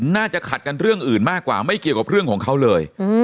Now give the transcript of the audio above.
น่าจะขัดกันเรื่องอื่นมากกว่าไม่เกี่ยวกับเรื่องของเขาเลย